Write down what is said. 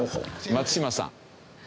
松嶋さん。